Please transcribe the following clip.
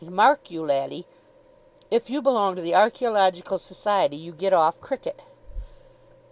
And, mark you, laddie, if you belong to the Archaeological Society you get off cricket.